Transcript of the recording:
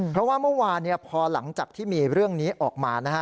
เพราะว่าเมื่อวานพอหลังจากที่มีเรื่องนี้ออกมานะฮะ